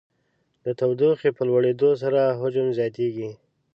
د تودوخې په لوړېدو سره حجم زیاتیږي.